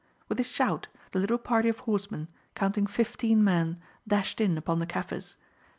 With a shout, the little party of horsemen, counting fifteen men, dashed in upon the Kaffirs.